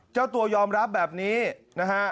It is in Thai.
เจ้าตัวยอมรับแบบนี้นะฮะ